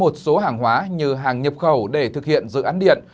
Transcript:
một số hàng hóa như hàng nhập khẩu để thực hiện dự án điện